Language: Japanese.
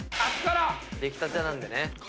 出来たてなんでね。